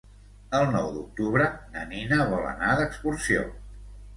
El nou d'octubre na Nina vol anar d'excursió.